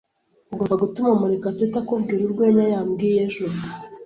Ugomba gutuma Murekatete akubwira urwenya yambwiye ejo.